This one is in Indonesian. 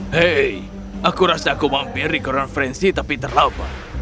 hei aku rasa aku mampir di konferensi tapi terlalu